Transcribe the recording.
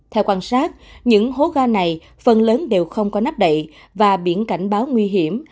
theo quan sát những hố ga này phần lớn đều không có nắp đậy và biển cảnh báo nguy hiểm